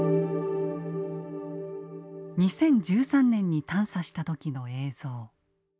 ２０１３年に探査した時の映像。